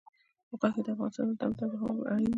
غوښې د افغانستان د دوامداره پرمختګ لپاره اړین دي.